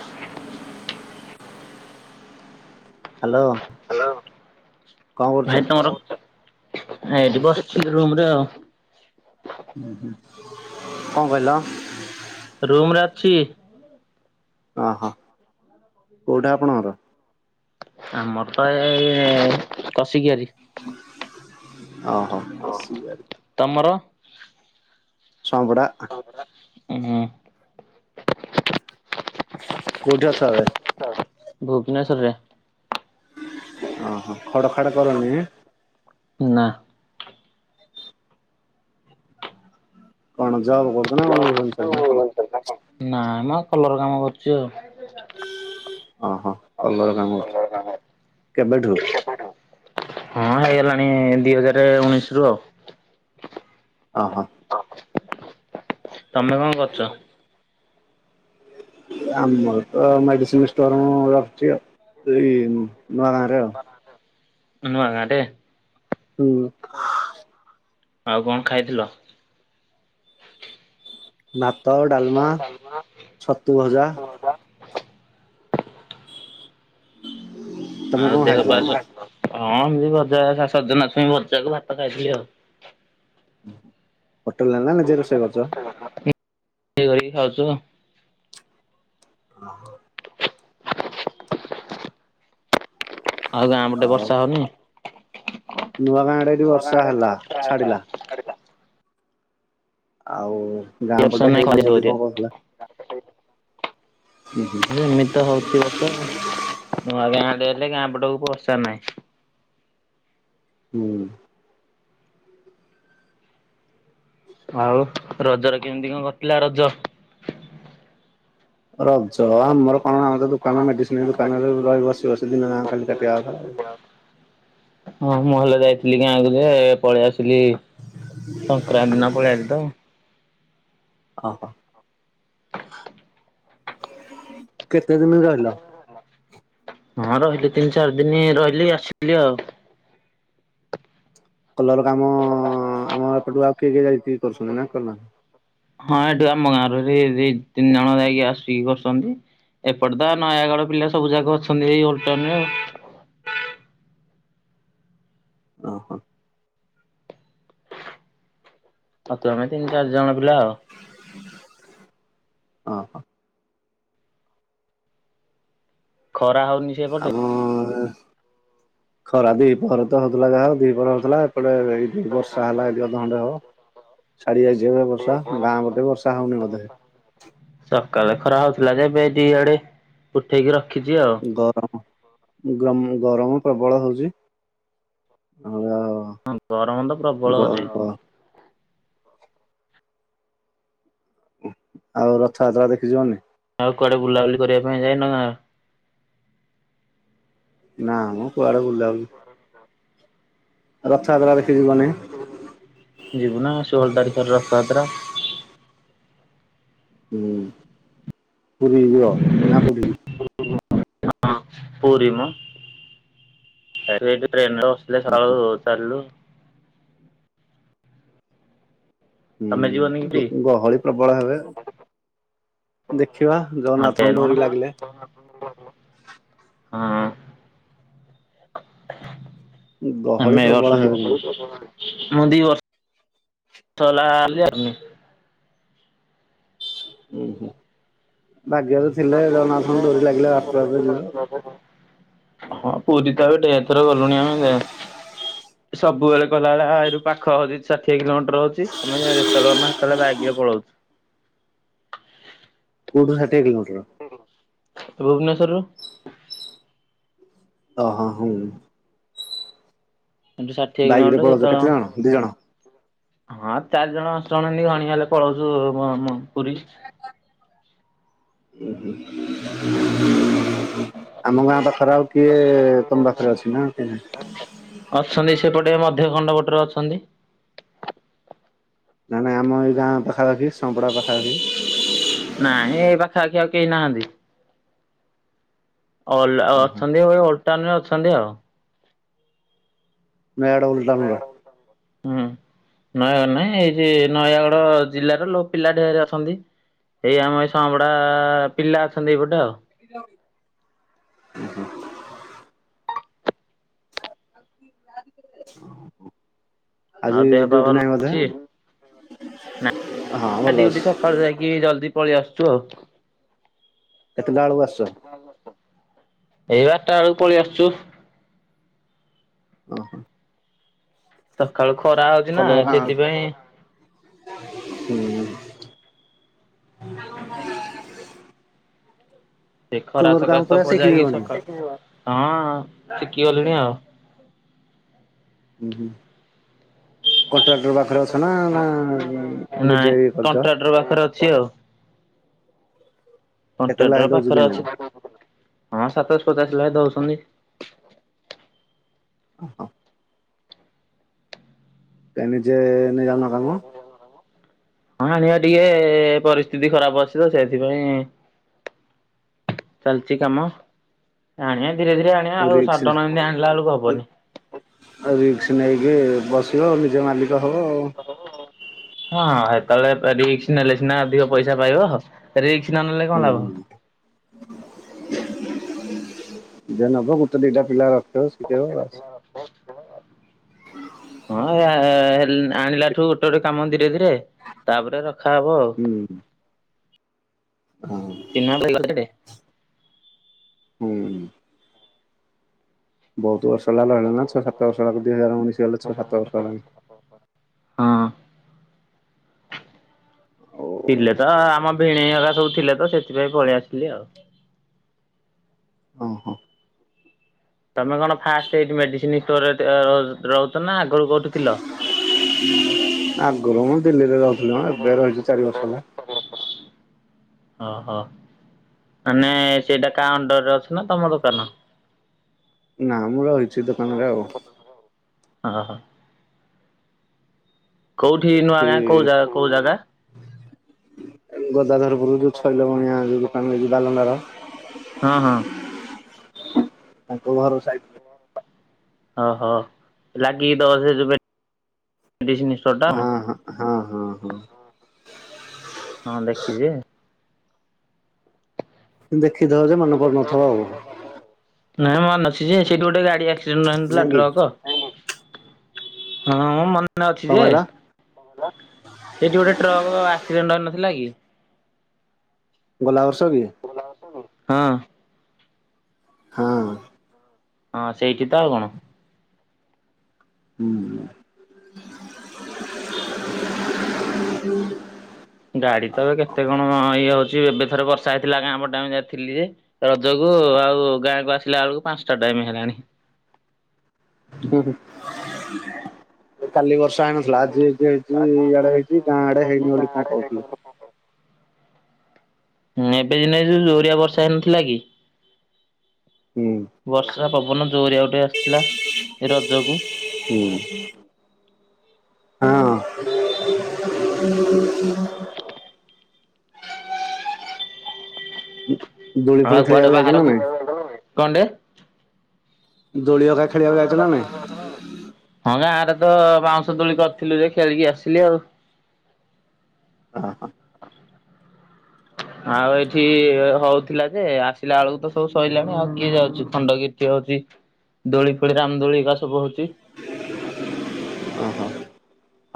[inaudible] Hello. Hello କଣ କରୁଛ ଭାଇ ତମର ଏଠି ବସିଛନ୍ତି ରୁମରେ ଆଉ। ହୁଁ ହୁଁ କଣ କହିଲ? ରୁମ ରେ ଅଛି। ଅହୋ କୋଉଟା ଆପଣଙ୍କର? ଆମର ତ ଏଇ କସିକିଆରି। ଓ ହୋ କସିକିଆରି। ତମର? ସପଡ଼ା। [unintelligible] କୋଉଠି ଅଛ ଏବେ? ଭୁବନେଶ୍ଵରରେ। ଓହୋ ଖଡ୍ ଖାଡ୍ କରନି। ନା। କଣ ଜବ କରୁଚ ନା କଣ ଭୁବନେଶ୍ୱରରେ ନା କଣ? ନାଇଁ ମୁଁ କଲର କାମ କରୁଛି ଆଉ। ଅ ହଁ କଲର କାମ କେବେଠୁ? ହଁ ହେଇଗଲାଣି ଦି ହଜାର ଉଣେଇଶ ରୁ ଆଉ। ଓହୋ। ତମେ କଣ କରୁଛ? ଆମର ତ ମେଡିସିନ ଷ୍ଟୋର ମୁ ରଖୁଛି ଆଉ ଏଇ ନୂଆ ଗାଁ ରେ ଆଉ। ନୁଆ ଗାଁ ରେ। ହୁଁ। ଆଉ କଣ ଖାଇଥିଲ? ଭାତ ଡାଲମା ଛତୁ ଭଜା। ତମେ ଆଉ କଣ ଦେହ ଖାଇଥିଲ ପା ଆଉ? ହଁ ଏମିତି ବଜା ସଜନା ଛୁଇ ବଜାକୁ ଭାତ ଖାଇଥିଲି ଆଉ। ପୋଟଲା ନା। ନିଜେ ରୋଷେଇ କରୁଛ? [unintelligible] ଖାଉଛ। ଓ ହୋ। ଆଉ ଗାଁ ପଟେ ବର୍ଷା ହଉନି? ନୂଆ ଗାଁ ଆଡେ ବର୍ଷା ହେଲା ଛାଡିଲା। ଆଉ ଗାଁ ବର୍ଷା ପଟେ ନାଇଁ ହେଇନି ବୁଲି କଣ କହୁଥିଲା। ହୁଁ ହୁଁ। ଏମିତି ତ ହଉଛି ବର୍ଷା ଆଉ ନୂଆ ଗାଁଆଡେ ହେଲେ ଗାଁ ପଟକୁ ବର୍ଷା ନାହିଁ। ହୁଁ। ଆଉ ରଜ ରେ କେମିତି କଣ କଟିଲା ରଜ? ରଜ ଆମର କଣ ଆମେ ତ ଦୋକାନ ମେଡିସିନ ଦୋକାନରେ ରହି ବସି ବସି ଦିନ ଯା ଖାଲି କାଟିବା କଥା ଆଉ। ହଁ ମୁଁହଲେ ଯାଇଥିଲି ଗାଁକୁ ଯେ ପଳେଇ ଆସିଲି ସଂକ୍ରାନ୍ତି ଦିନ ପଳେଇ ଆଇଲି ତ। ଅହ କେତେ ଦିନ ରହିଲା? ହଁ ରହିଲି ତିନି ଚାରି ଦିନ ରହିଲି ଆସିଲି ଆଉ। କଲର କାମ କଲର୍ କାମ ହ ଆମ ଏପଟୁ ଆଉ କିଏ କିଏ ଯାଇତିକି କରୁଛନ୍ତି ନା କରୁନାହାନ୍ତି? ହଁ ଏଠୁ ଆମ ଗାଁରୁ ରେ ତିନି ଜଣ ଯାଇକି ଆସିକି କରୁଛନ୍ତି। ଏପଟେ ତ ନୟାଗଡ଼ ପିଲା ସବୁ ଯାକ ଅଛନ୍ତି ଏଇ ଓଲଟାଉନରେ ଆଉ। ଓହୋ। [unintelligible] ଆମେ ତିନି ଚାରି ଜଣ ପିଲା ଆଉ। ଅ ହ। ଖରା ହଉନି ହ ସେପଟେ? ଖରା ଦି ପହରେ ତ ହଉଥିଲା ଯାହା ଆଉ। ଦିପହରେ ହଉଥିଲା ଏପଟେ ଏଇ ଦିଇ ବର୍ଷା ହେଲା ଏଟି ଅଧ ଘଣ୍ଟା ହବ। ଛାଡିଯାଇଚି ଏବେ ବର୍ଷା ଗାଁ ପଟେ ବର୍ଷା ହଉନି ବୋଧେ? ସକାଳେ ଖରା ହଉଥିଲା ଯେ ଏବେ ଦି ଆଡେ ଉଠେଇକି ରଖିଛି ଆଉ। ଗରମ ଗ ଗରମ ପ୍ରବଳ ହଉଛି। ଆଉ ହଁ ଗରମ ତ ଗ ପ୍ରବଳ ହଉଛି। ଗ ଆଉ ରଥଯାତ୍ରା ଦେଖିଯିବନି? ଆଉ କୁଆଡେ ବୁଲାବୁଲି କରିବା ପାଇଁ ଯାଇନ ଗାଁ? ନାଁ ମୁଁ କୁଆଡେ ବୁଲାବୁଲି। ରଥଯାତ୍ରା ଦେଖିଯିବନି? ଯିବୁ ନା ଷୋହଳ ତାରିଖରେ ରଥଯାତ୍ରା। ହୁଁ ପୁରୀ ଯିବ ନା କଉଟିକି? ପୁରୀ ମ ଏବେ ଏଇ ଟ୍ରେନ ରେ ବ ଏତେ ଓହୋ ସକାଳୁ ଚାଲିଲୁ। ତମେ ଯିବନି କି ହୁଁ ଗହଳି ପ୍ରବଳ ହେବେ ଆଉ। ଦେଖିବା ହଁ ଜଗନ୍ନାଥଙ୍କ ଟ୍ରେନ କଣ ଡୋରି ଲାଗିଲେ। ହଁ। ଗହଳି ଆମେ ଏ ପ୍ରବଳ ବର୍ଷ ହେବେ ଯିବୁ। କିନ୍ତୁ ମୁଁ ଦିଇ ବର୍ଷ ବର୍ଷ ହେଲା ଯାଉନି। ହୁଁ ହୁଁ ଭାଗ୍ୟରେ ଥିଲେ ଭାଗ୍ୟରେ ଜଗନ୍ନାଥଙ୍କ ଥିଲେ ଡୋରି ଲାଗିଲେ ବାଟରେ ଯିବେ ଆଉ ଜଗନ୍ନାଥ [unintelligible] ହଁ ପୁରୀ ତ ଏବେ ଢେରଥର ଗଲୁଣି ଆମେ ଯେ। ହଁ [inaudible] ସବୁବେଳେ କହିଲା ଭଳିଆ ଏଇଠୁ ପାଖ ହଉଚି ଷାଠିଏ କିଲୋମିଟର ହଉଚି ଆମେ ଯେତେବେଳେ ନା ସେତେବେଳେ ବାଇକ ରେ ପଳଉଚୁ। କୋଉଠୁ ସାଠିଏ କିଲୋମିଟର୍? ଭୁବନେଶ୍ଵରରୁୁ। ଅ ହ ହୁଁ। ଏଠୁ ଷାଠିଏ ବାଇକ ରେ କିଲୋମିଟର ପଳଉଛ କେତେ ଜଣ ଯେତେବେଳେ ଦି ଜଣ? ହଁ ଚାରି ଜଣ ଆଠ ଜଣ ଏନ୍ତି ଘଣି ହେଲେ ପଳଉଛୁ ପୁରୀ। ଆମ ଗାଁ ପାଖରେ ଆଉ କିଏ ତମ ପାଖ ଖରେ ଅଛି ନା କେ ଅଛନ୍ତି ସେପଟେ ମଧ୍ୟ ଖଣ୍ଡପଟରେ ଅଛନ୍ତି। ନା ନାଇ ଆମ ଏଇ ଗାଁ ପାଖପାଖି ସମ୍ପଡ଼ା ପାଖାପାଖି ନାଇଁ ଏ ପାଖାପଖି ଆଉ କେହି ନାହାନ୍ତି। ଅଛନ୍ତି ଓଲ୍ଟାଉନ ରେ ଅଛନ୍ତି ଆଉ। ମ୍ୟାଡ଼ ଉଲଟାଉନର। ହୁଁ ନୟା ନାଇଁ ଏଇ ଯେ ନୟାଗଡ ଜିଲ୍ଲାର ପିଲା ଢେର ଅଛନ୍ତି। ଏଇ ଆମ ଏଇ ସଁପଡା ପିଲା ଅଛନ୍ତି ଏଇପଟେ ଆଉ। [unintelligible] ଓୁ ହୋ [inaudible] [inaudible] ଆଉ ଆଜି ଦେହ ପା ଡ୍ୟୁଟି ଭଲ ନାଇଁ ବୋଧେ ଅଛି। ହଁ ଭଲ ଅଛି। ଆକାଳୁ ଯାଇକି ଜଲଦି ପଳେ ଆସଚୁ ଆଉ। କେତେଟା ଆଳୁ ଆସ ଏଇ ବାରଟା ବେଳକୁ ପଳେଇ ଆସୁଛୁ। ଓହୋ। ସକାଳୁ ଖରା ହଉଚି ନା କଲର ଗାଁ ସେଥିପାଇଁ ହୁଁ ହ [inaudible] ସେ ଖରା କଲର କାମ ସକାଶ ତ ପୁରା ପଜାକି ଶିଖିଯିବଣି? ସକାଳୁ ହଁ ଶିଖିଗଲିଣି ଆଉ। ହୁଁ ହୁଁ। କଣ୍ଟ୍ରାକ୍ଟର ପାଖରେ ଅଛ ନା ନା ନାଇଁ ନିଜେ କରିଚ? [unintelligible] ପାଖରେ ଅଛି ଆଉ। କେତେ ଲେଖା କଣ୍ଟ୍ରାକ୍ଟର ଦଉଛି ପାଖରେ ଦିନକୁ? ଅଛି ହଁ ସାତଶ ପଚାଶ ଲେଖା ଦଉଚନ୍ତି। [unintelligible] ତ ନିଜେ ନେଇ ଯାଉନ କାମ? ହଁ ଆଣିବା ଟିକେ ପରିସ୍ଥିତି ଖରାପ ଅଛି ତ ସେଥିପାଇଁ ଚାଲିଚି କାମ ଆଣିବା ଧୀରେ ଧୀରେ ଆଣିବା ଆଉ ରିକ୍ସ ସଡନ ଏମିତି ଆଣିଲା ବେଳକୁ ହବନି। ରିକ୍ସ ନେଇକି ବସିବ ନିଜ ମାଲିକ ହେବ ଆଉ। ହଁ ହେତେବେଳେ ପ ରିକ୍ସ ନେଲେ ସିନା ଅଧିକ ପଇସା ପାଇବ। ରିକ୍ସ ନ ନେଲେ କଣ ଲାଭ? [inaudible] ଯେ ନବ ଗୋଟେ ଦିଟା ପିଲା ରଖିବ ଶିଖେଇବ ବାସ। [unintelligible] ହଁ ହେ ହେଲ ଆଣିଲାଠୁ ଗୋଟେ ଗୋଟେ କାମ ଧୀରେ ଧୀରେ ତାପରେ ରଖା ହବ ଆଉ। ହୁଁ ହଁ ଚିହ୍ନା [unintelligible] ହୁଁ। ବୋହୁତ ବର୍ଷ ହେଲା ହେଲାଣି ନା ଛଅ ସାତ ବର୍ଷ ଲାଗୁଚି ଦିଇ ହଜାର ଉଣେଇସି ହେଲା ଛଅ ସାତ ବର୍ଷ ହେଲାଣି। ହଁ। ଓ। ଥିଲେ ତ ଆମ ଭିଣେଇ ହେଗା ସବୁ ଥିଲେ ତ ସେଥିପାଇଁ ପଳେଇ ଆସିଲି ଆଉ। ଓ ହୋ। ତମେ କଣ ଫାଷ୍ଟ ଏଇଠି ମେଡିସିନ ଷ୍ଟୋରରେ ତେ ରହୁଚ ନା ଆଗରୁ କୋଉଠି ଥିଲ? ଆଗରୁ ମୁଁ ଦିଲ୍ଲୀରେ ରହୁଥିଲି ମ ଏବେ ରହିଛି ଚାରି ବର୍ଷ ହେଲା। ଓହୋ। ମାନେ ସେଇଟା କା ଅଣ୍ଡରରେ ଅଛ ନା ତମ ଦୋକାନ? ନା ମୁଁ ରହିଚି। [unintelligible] ହଁ। କୋଉଠି ନୂଆ ଗାଁ କଉ ଜାଗା କଉ ଜାଗା? ଗୋଦାଧରପୁର ଯୋଉ ଛଇଲ ବଣିଆ ଯୋଉ ଦୋକାନଛି ବାଲଣ୍ଡାର ହଁ ହଁ। ତାଙ୍କ ଘର ସାଇଟ ଟା। ଓହୋ ଲାଗିକି ତ ସେ ଯୋ ମେଡିସିନ ଷ୍ଟୋର ଟା? ହଁ ହଁ ହଁ ହଁ। ହଁ ଦେଖିଚି। ଦେଖିଥବ ଯେ ମନେ ପଡୁ ନଥବ ଆଉ? ନାଇଁ ମେ ଅଛି ଯେ ସେଇଠି ଗୋଟେ ଗାଡି ଆକ୍ସିଡେଣ୍ଟ ହେଇନଥିଲା ନାଇଁ କି ଟ୍ରକ? ହଁ ମୁଁ ମନେେ ଅଛି କଣ ଯେ କହିଲ ସେଇଠି ଗୋଟେ ଟ୍ରକ ଆକ୍ସିଡେଣ୍ଟ ହେନଥିଲା କି? ଗଲା ବର୍ଷ କି? ହଁ। ହଁ। ହଁ ସେଇଠି ତ ଆଉ କଣ। ହୁଁ। ଗାଡି ତ ଏବେ କେତେ କଣ ଇଏ ହଉଛି ଏବେଥରେ ବ ର୍ଷା ହେଇଥିଲା ଗାଁ ପଟେ ଆମେ ଯାଇ ଥିଲି ଯେ ରଜକୁ ଆଉ ଗାଁକୁ ଆସିଲା ବେଳକୁ ପାଞ୍ଚଟା ଟାଇମ ହେଲାଣି। ହୁଁ ହୁଁ କାଲି ବର୍ଷା ହେଇନ ଥିଲା ଆଜି ହେଇ ହେଇଚି ଇଆଡେ ହେଇଛି ଗାଁ ଆଡେ ହେଇନି ବୋଲି କଁ କହୁଥିଲେ। ହୁଁ ଏବେ ଦିନେ ଯୋଉ ଜୋରିଆ ବର୍ଷା ହେଇନଥିଲା କି। ହୁଁ। ବର୍ଷା ପବନ ଜୋରିଆ ଗୋଟେ ଆସିଥିଲା ଏ ରଜକୁ। ହୁଁ ହଁ। ହଁ। ଦୋଳି ଆଉ ଫୋଳି କୁଆଡେ ଖେଳିବାକୁ ଯାଇଛ ନା ବାହାରକୁ ନାଇଁ କଁ ଟେ। ଦୋଳି ‌ଅକା ଖେଳିବାକୁ ଯାଇଚ ନା ନାଇ। ହଁ ଗାଁ ରେ ତ ବାଉଁଶ ତୋଳି କରିଥିଲୁ ଯେ ଖେଳିକି ଆସିଲି ଆଉ। ଅ ହଁ। ଆଉ ଏଇଠି ହଉଥିଲା ଯେ ଆସିଲା ବେଳକୁ ତ ସବୁ ସଇଲାଣି ଆଉ କିଏ ଯାଉଛି ଖଣ୍ଡଗିରି ଠି ହଉଛି। ଦୋଳି ଫୋଳି ରାମ ଦୋଳିିକା ସବୁ ହଉଛି। ଓହୋ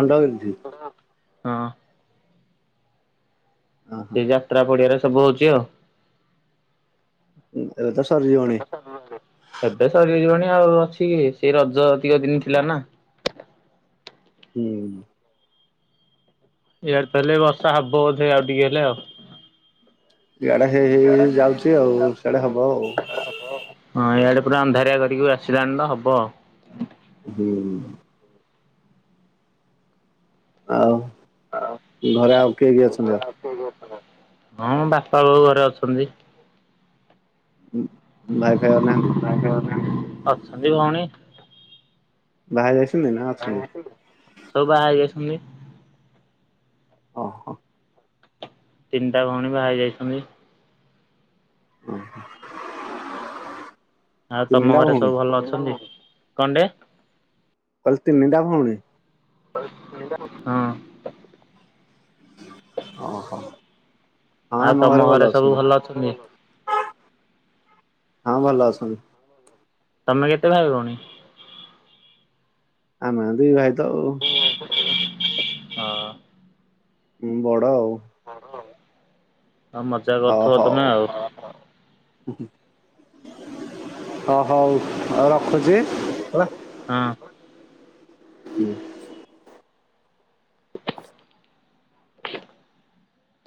ଖଣ୍ଡଗିରି ଠି। ହଁ। ଓହୋ ସେଇ ଯାତ୍ରା ପଡିଆରେ ସବୁ ହଉଛି ଆଉ। ଏବେ ତ ସରି ଯିବଣି। ଏବେ ସରି ଯିବଣି ଆଉ ଅଛି କି ସେଇ ରଜ ତିକ ଦିନ ଥିଲା ନା। ହୁଁ। ଏଇଆଡେ ତାହଲେ ବର୍ଷା ହବ ବୋଧ ଆଉ ଟିକେ ହେଲେ ଆଉ। ଇଆଡେ ହେଇ ହେଇ ହେଇ ଯାଉଛି ଆଉ ସିଆଡେ ହବ ଆଉ। ହଁ ଇଆଡେ ପୁର ଅନ୍ଧାରିଆ କରିକି ବି ଆସିଲାଣି ତ ହବ। ହୁଁ। ଆଉ ଘରେ ଆଉ କିଏ କିଏ ଅଛନ୍ତି ଆଉ। ହଁ ମୋ ବାପା ବାଉ ଘରେ ଅଛନ୍ତି। ହୁଁ। ଅଛନ୍ତି ଭଉଣି। ବାହା ହେଇ ଯାଇଛନ୍ତି ନା ଅଛନ୍ତି। ସବୁ ବାହା ହେଇ ଯାଇଛନ୍ତି। ଅ ହ। ତିନିଟା ଭଉଣୀ ବାହା ହେଇ ଯାଇଛନ୍ତି। ଓ ହୋ। ଆଉ ତମ ଘରେ ସବୁ ଭଲ ଅଛନ୍ତି କଣ ଟେ। କହିଲି ତିନିଟା ଭଉଣୀ। ହଁ। ଅ ହ। ଆଉ ତମ ଘରେ ସବୁ ଭଲ ଅଛନ୍ତି। ହଁ ଭଲ ଅଛନ୍ତି। ତମେ କେତେ ଭାଇ ଭଉଣୀ। ଆମ ଦି ଭାଇ ତ ଆଉ। ହଁ ମୁଁ ବଡ଼ ଆଉ। ବଡ ଆଉ। ମଜା ହ କରୁଥିବ ହଉ ତମେ ଆଉ ହୁଁ ହୁଁ ହ ହଉ। ହଉ ରଖୁଛି। ହେଲା। ହଁ। ହୁଁ।